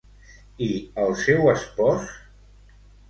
I el seu espòs?